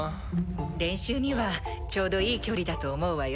練習にはちょうどいい距離だと思うわよ。